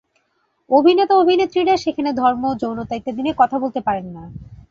অভিনেতা-অভিনেত্রীরা সেখানে ধর্ম, যৌনতা ইত্যাদি নিয়ে কথা বলত পারেন না।